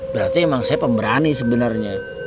berarti emang saya pemberani sebenarnya